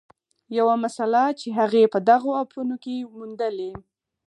یوه مسله چې هغې په دغو اپونو کې موندلې